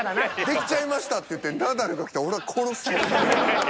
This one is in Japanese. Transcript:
「出来ちゃいました」って言ってナダルが来たら俺は殺すと思う。